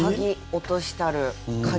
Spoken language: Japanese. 落としたる鍵。